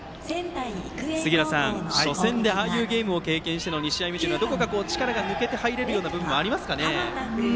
杉浦さん、初戦でああいうゲームを経験しての２試合目というのはどこか力が抜けて入れるような部分もありますかね。